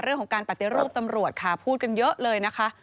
เรื่องของการปฏิรูปตำรวจค่ะพูดกันเยอะเลยนะคะ